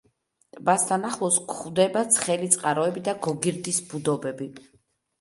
ტბასთან ახლოს გვხვდება ცხელი წყაროები და გოგირდის ბუდობები.